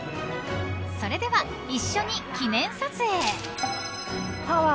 ［それでは一緒に記念撮影］